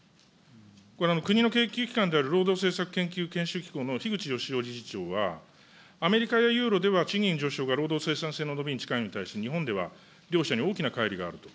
これ、国の機関である労働政策研究研修機構のひぐちよしお理事長はアメリカやユーロでは賃金上昇が労働生産性の伸びに近いが日本では両者に大きなかい離があると。